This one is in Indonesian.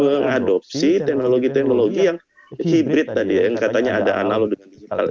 mengadopsi teknologi teknologi yang hybrid tadi ya yang katanya ada analog dengan digital